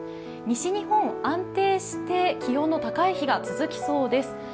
西日本、安定して気温の高い日が続きそうです。